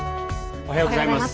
おはようございます。